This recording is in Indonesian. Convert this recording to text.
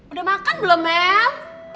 udah makan belum mel